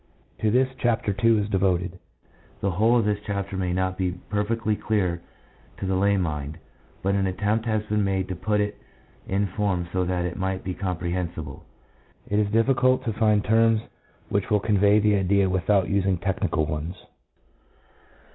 To this Chapter II. is devoted. The whole of this chapter may not be perfectly clear to the lay mind, but an attempt has been made to put it in form so that it might be comprehensible. It is difficult to find terms which will convey the idea without using technical ones.